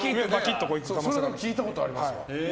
それ聞いたことあります。